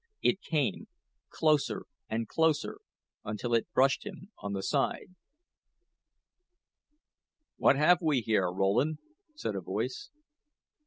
It came, closer and closer, until it brushed him on the side. "What have we here, Rowland?" said a voice.